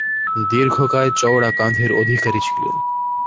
দীর্ঘকায়, চওড়া কাঁধের অধিকারী ছিলেন।